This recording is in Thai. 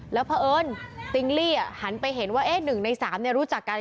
แล้วเพราะเอิญติ๊งลี่หันไปเห็นว่า๑ใน๓รู้จักกัน